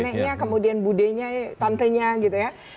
neneknya kemudian budenya tantenya gitu ya